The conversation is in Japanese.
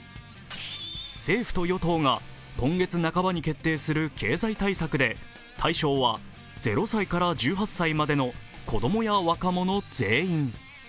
政府と与党が今月半ばに決定する経済対策で対象は０歳から１８歳までの子供や若者全員。